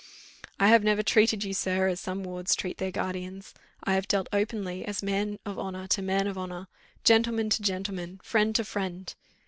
"I have never treated you, sir, as some wards treat their guardians. I have dealt openly, as man of honour to man of honour, gentleman to gentleman, friend to friend."